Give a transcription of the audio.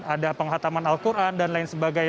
ada penghataman al quran dan lain sebagainya